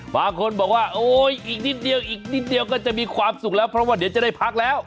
บางคนบอกว่าโอ๊ยอีกนิดเดียวอีกนิดเดียวก็จะมีความสุขแล้วเพราะว่าเดี๋ยวจะได้พักแล้ว